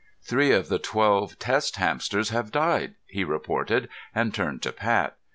"Three of the twelve test hamsters have died," he reported, and turned to Pat.